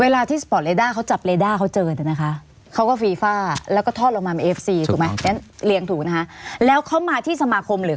มาที่สมาคมแล้วเราก็เชิญไทยลีกมาด้วย